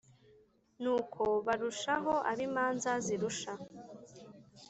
n'uko barusha ho ab'imana zirusha